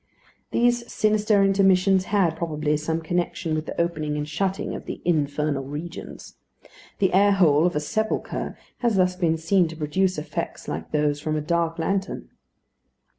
These sinister intermissions had, probably, some connection with the opening and shutting of the infernal regions. The air hole of a sepulchre has thus been seen to produce effects like those from a dark lantern.